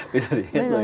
bây giờ thì hết rồi ạ